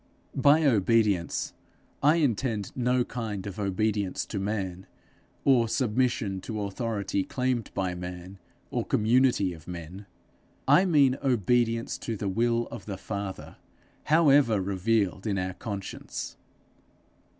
By obedience, I intend no kind of obedience to man, or submission to authority claimed by man or community of men. I mean obedience to the will of the Father, however revealed in our conscience.